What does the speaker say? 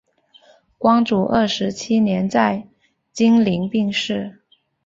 光绪二十七年在经岭病逝。